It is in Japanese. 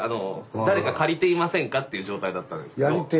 誰か借りてみませんかっていう状態だったんですけど。